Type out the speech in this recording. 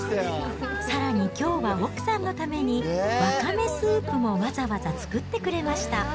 さらにきょうは奥さんのために、ワカメスープもわざわざ作ってくれました。